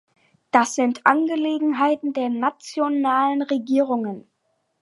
Das sind Angelegenheiten der nationalen Regierungen!